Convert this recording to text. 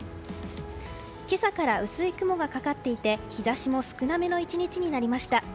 今朝から薄い雲がかかっていて日差しも少なめの１日になりました。